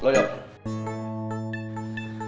nggak ada apa apa